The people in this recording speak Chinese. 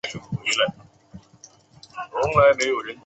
滋贺县出身。